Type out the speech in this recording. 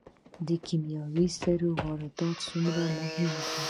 د کیمیاوي سرې واردات څومره دي؟